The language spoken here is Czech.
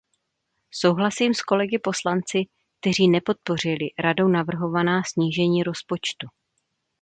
Souhlasím s kolegy poslanci, kteří nepodpořili Radou navrhovaná snížení rozpočtu.